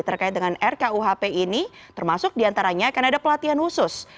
terkait dengan rkuhp ini termasuk diantaranya akan ada pelatihan khusus